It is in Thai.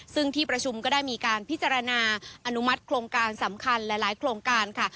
ซึ่งที่ประชุมก็ได้มีการพิจารณาอนุมัติโครงการสำคัญหลายโครงการค่ะ